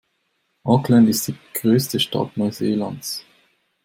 Auckland ist die größte Stadt Neuseelands.